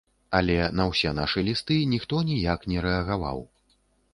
Але на ўсе нашы лісты ніхто ніяк не рэагаваў.